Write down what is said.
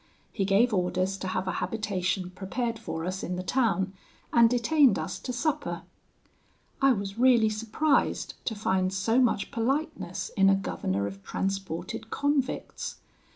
He gave orders to have a habitation prepared for us in the town, and detained us to supper. I was really surprised to find so much politeness in a governor of transported convicts.